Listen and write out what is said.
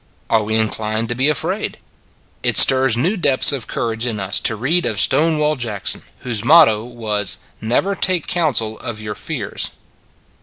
Are we inclined to be afraid? It stirs new depths of courage in us to read of Stonewall Jackson, whose motto was :" Never take counsel of your fears."